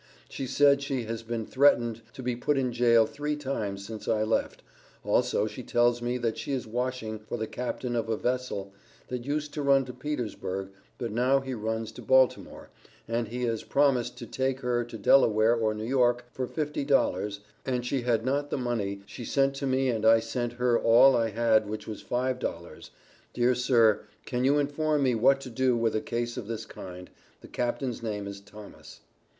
She said she has been threatened to be put in jail three times since I left also she tells me that she is washing for the captain of a vesel that use to run to Petersburg but now he runs to Baltimore and he has promas to take her to Delaware or New York for 50 dollars and she had not the money, she sent to me and I sent her all I had which was 5 dollars dear sir can you inform me what to do with a case of this kind the captains name is Thomas.